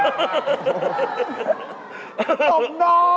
ข้าวอร่อย